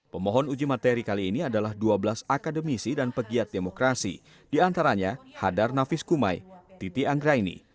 pemohon uji materi kali ini adalah dua belas akademisi dan pegiat demokrasi diantaranya hadar nafis kumai titi anggraini